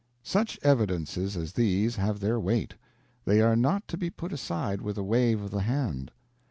Such evidences as these have their weight; they are not to be put aside with a wave of the hand.